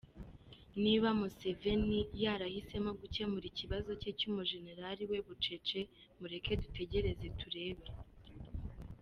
Niba rero Museveni yarahisemo gukemura ikibazo cy’umujenerali we bucece, mureke dutegereze turebe.